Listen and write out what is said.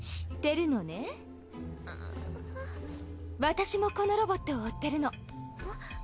私もこのロボットを追ってるの。